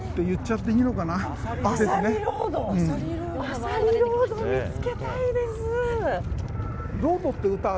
アサリロード見つけたいです！